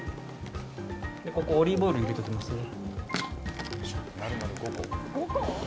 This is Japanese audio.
ここにオリーブオイル入れておきますね。